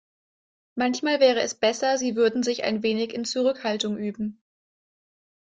Manchmal wäre es besser, sie würde sich ein wenig in Zurückhaltung üben.